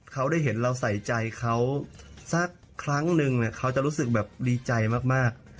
เขาได้เห็นเราใส่ใจเขาสักครั้งนึงเขาจะรู้สึกแบบดีใจมาก